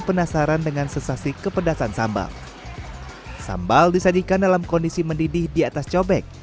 penasaran dengan sensasi kepedasan sambal sambal disajikan dalam kondisi mendidih di atas cobek